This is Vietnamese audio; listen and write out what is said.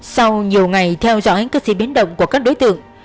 sau nhiều ngày theo dõi các di biến động của các đối tượng